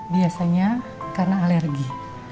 biasanya karena alergi